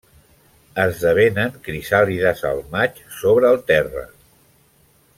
Esdevenen crisàlides al maig sobre el terra.